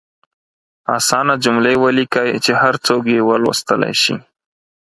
اسانه جملې ولیکئ چې هر څوک یې ولوستلئ شي.